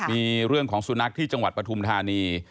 มีเรื่องของสุนัขที่จังหวัดปฐุมธานี